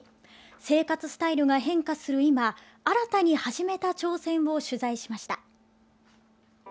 生活スタイルが変化する今新たに始めた挑戦を取材しました。